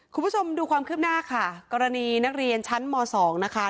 คุณผู้ชมดูความคืบหน้าค่ะกรณีนักเรียนชั้นม๒นะคะ